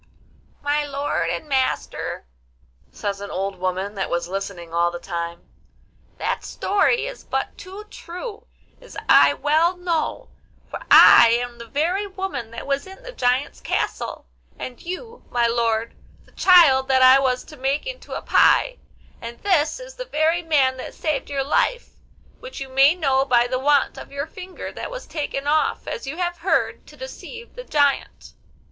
'My lord and master,' says an old woman that was listening all the time, 'that story is but too true, as I well know, for I am the very woman that was in the giant's castle, and you, my lord, the child that I was to make into a pie; and this is the very man that saved your life, which you may know by the want of your finger that was taken off, as you have heard, to deceive the giant.